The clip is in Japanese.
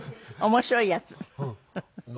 面白いやつ？